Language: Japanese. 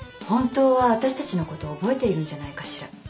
本当は私たちのこと覚えているんじゃないかしら。